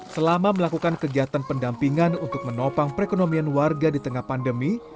selama melakukan kegiatan pendampingan untuk menopang perekonomian warga di tengah pandemi